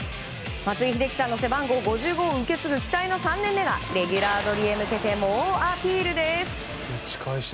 松井秀喜さんの背番号５５を受け継ぐ、期待の３年目がレギュラー取りへ向けて猛アピールです。